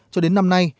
cho đến năm nay